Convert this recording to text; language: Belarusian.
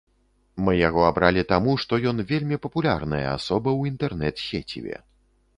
Мы яго абралі таму, што ён вельмі папулярная асоба ў інтэрнэт-сеціве.